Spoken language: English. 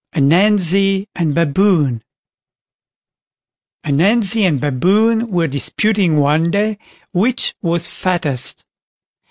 ANANZI AND BABOON Ananzi and Baboon were disputing one day which was fattest.